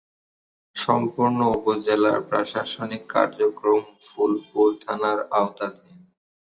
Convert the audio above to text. সম্পূর্ণ উপজেলার প্রশাসনিক কার্যক্রম ফুলপুর থানার আওতাধীন।